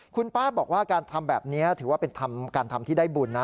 คุณป้าบอกว่าการทำแบบนี้ถือว่าเป็นการทำที่ได้บุญนะ